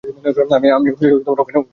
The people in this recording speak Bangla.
আমি ওখানে ঘুমাতে গেলাম।